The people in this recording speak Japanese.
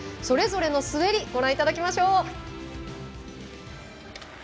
それぞれの滑りご覧いただきましょう。